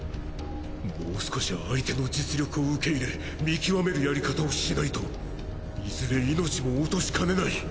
もう少し相手の実力を受け入れ見極めるやり方をしないといずれ命も落としかねない。